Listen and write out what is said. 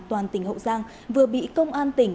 toàn tỉnh hậu giang vừa bị công an tỉnh